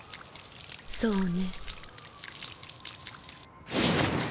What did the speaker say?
そうね。